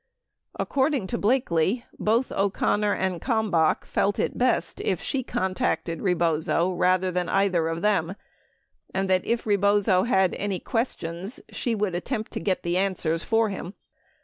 According to Blakely, both O'Connor and Kalmbach felt it best if she contacted Rebozo rather than either of them and that if Rebozo had any questions, she would attempt to get the answers for him.